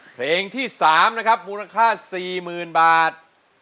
เพลงที่สามมูลค่า๔๐๐๐๐บาท